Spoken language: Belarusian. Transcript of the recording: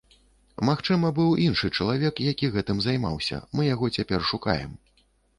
Магчыма, быў іншы чалавек, які гэтым займаўся, мы яго цяпер шукаем.